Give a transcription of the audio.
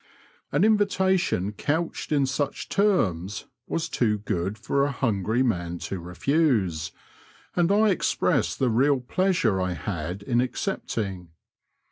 An invitation couched in such terms was too good for a hungry man to refuse, and I expressed the real pleasure I had in accepting.